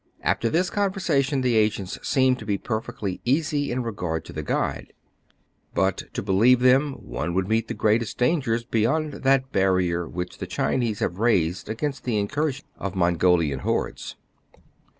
After this conversation the agents seemed to be perfectly easy in regard to the guide. But, to believe them, one would meet the greatest dangers beyond that barrier which the Chinese have raised against the incursions of Mongolian hordes.